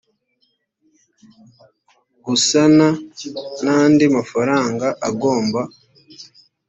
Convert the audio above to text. gusana n andi mafaranga agomba